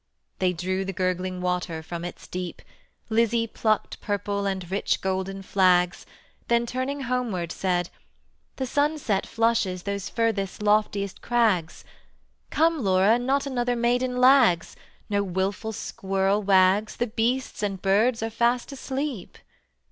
They drew the gurgling water from its deep; Lizzie plucked purple and rich golden flags, Then turning homeward said: "The sunset flushes Those furthest loftiest crags; Come, Laura, not another maiden lags, No wilful squirrel wags, The beasts and birds are fast asleep."